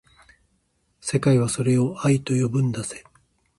世界はそれを愛と呼ぶんだぜ